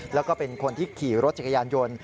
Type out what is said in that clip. แล้วก็เป็นคนที่ขี่รถจักรยานยนต์